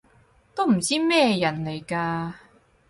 都唔知咩人嚟㗎